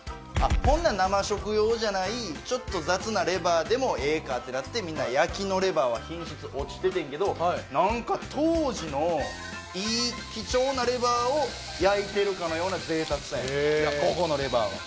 ほんなら生食用じゃないちょっと雑なレバーでもええかってなってみんな焼きのレバーは品質落ちててんけどなんか当時のいい貴重なレバーを焼いてるかのような贅沢さやねんここのレバーは。